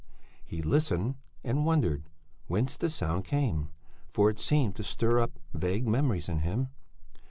He listened and wondered whence the sound came, for it seemed to stir up vague memories in him.